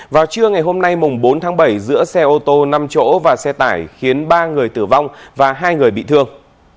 vào trưa ngày hôm nay bốn tháng bảy giữa xe ô tô năm chỗ và xe tải khiến ba người tử vong và hai người bị thương